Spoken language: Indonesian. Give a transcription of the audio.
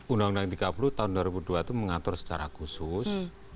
undang undang tiga puluh tahun dua ribu dua itu mengatur secara khusus